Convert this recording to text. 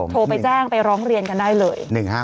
โทรไปแจ้งไปร้องเรียนกันได้เลย